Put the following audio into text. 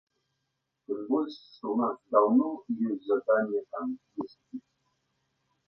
Тым больш што ў нас даўно ёсць жаданне там выступіць.